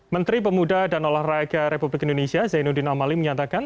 menteri pemuda dan olahraga republik indonesia zainuddin amali menyatakan